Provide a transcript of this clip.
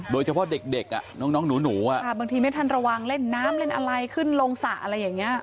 โดยเฉพาะเด็กน้องหนูบางทีไม่ทันระวังเล่นน้ำเล่นอะไรขึ้นลงสระอะไรอย่างนี้